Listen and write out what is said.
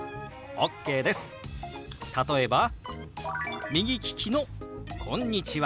例えば右利きの「こんにちは」。